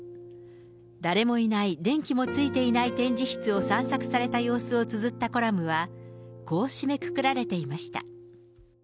誰もいない、電気もついていない展示室を散策された様子をつづったコラムは、こう締めくくられていました。